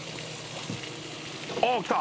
おお、来た。